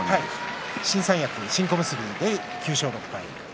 新三役、新小結で９勝６敗。